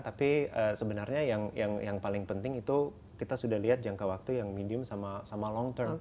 tapi sebenarnya yang paling penting itu kita sudah lihat jangka waktu yang medium sama long term